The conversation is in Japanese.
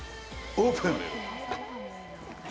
オープン！